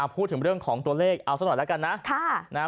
พูดถึงเรื่องของตัวเลขเอาซะหน่อยแล้วกันนะ